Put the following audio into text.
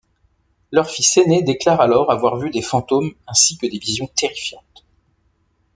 Leur fils aîné déclare alors avoir vu des fantômes ainsi que des visions terrifiantes.